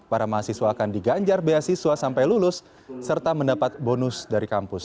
para mahasiswa akan diganjar beasiswa sampai lulus serta mendapat bonus dari kampus